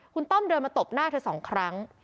คุณต้อมเดินมาตบหน้าเธอสองครั้ง